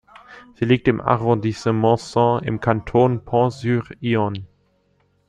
Sie liegt im Arrondissement Sens im Kanton Pont-sur-Yonne.